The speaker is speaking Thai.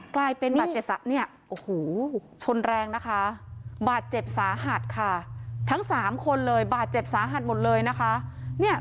กลายเป็นบาดเจ็บเนี่ยโอ้โหชนแรงนะคะบาดเจ็บสาหัสค่ะทั้ง๓คนเลยบาดเจ็บสาหัสหมดเลยนะคะ